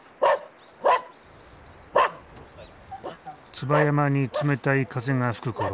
椿山に冷たい風が吹くころ